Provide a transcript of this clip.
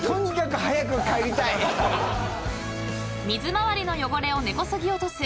［水回りの汚れを根こそぎ落とす］